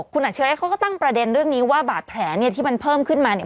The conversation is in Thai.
คุณอัจฉริยะเขาก็ตั้งประเด็นเรื่องนี้ว่าบาดแผลเนี่ยที่มันเพิ่มขึ้นมาเนี่ย